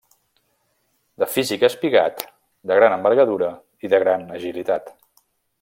De físic espigat, de gran envergadura i de gran agilitat.